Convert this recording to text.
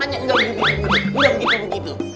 tangannya ilang begitu begitu